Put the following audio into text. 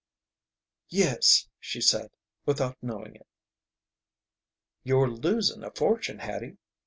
"Yes," she said, without knowing it. "You're losing a fortune, Hattie.